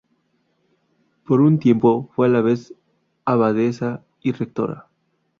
Por un tiempo fue a la vez abadesa y rectora.